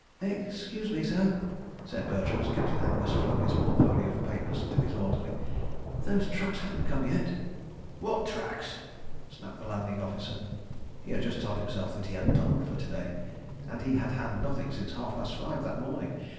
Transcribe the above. "Excuse me, sir," said Bertram as Captain Angus flung his portfolio of papers to his orderly, "those trucks haven't come yet." "Wha' trucks?" snapped the Landing Officer. He had just told himself he had done for to day—and he had had nothing since half past five that morning.